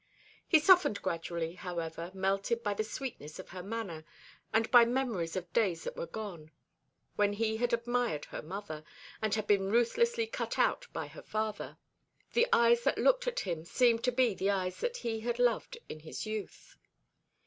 He softened gradually, however, melted by the sweetness of her manner, and by memories of days that were gone, when he had admired her mother, and had been ruthlessly cut out by her father. The eyes that looked at him seemed to be the eyes that he had loved in his youth.